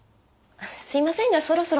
すみませんがそろそろ。